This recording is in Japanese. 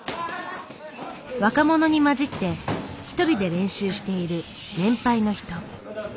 若者に交じって１人で練習している年配の人。